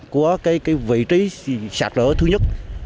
của cái vị trí sạc lỡ thứ nhất